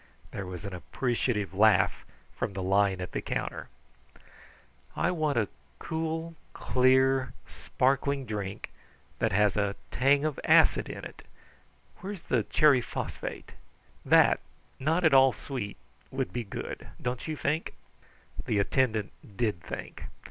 There was an appreciative laugh from the line at the counter. "I want a clear, cool, sparkling drink that has a tang of acid in it. Where's the cherry phosphate? That, not at all sweet, would be good; don't you think?" The attendant did think.